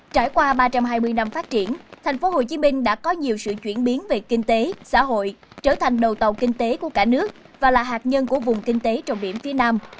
trải qua ba trăm hai mươi năm phát triển tp hcm đã có nhiều sự chuyển biến về kinh tế xã hội trở thành đầu tàu kinh tế của cả nước và là hạt nhân của vùng kinh tế trọng điểm phía nam